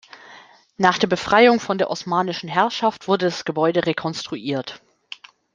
Nach der Befreiung von der osmanischen Herrschaft wurde das Gebäude rekonstruiert.